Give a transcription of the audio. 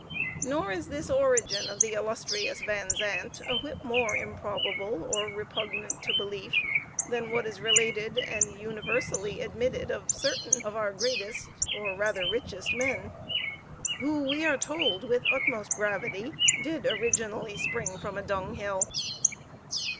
Nor is this origin of the illustrious Van Zandt a whit more improbable or repugnant to belief than what is related and universally admitted of certain of our greatest, or rather richest, men, who we are told with the utmost gravity did originally spring from a dunghill!